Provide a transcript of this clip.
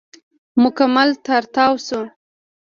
مکمل راتاو شو.